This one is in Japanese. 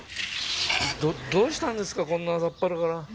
どどうしたんですかこんな朝っぱらから。